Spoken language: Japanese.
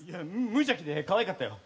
無邪気でかわいかったよ。